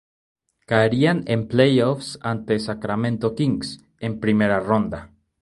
Caerían en playoffs ante Sacramento Kings en primera ronda.